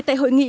tại hội nghị